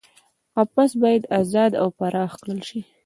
قفس باید ازاد او پراخ کړل شي.